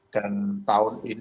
dan tahun ini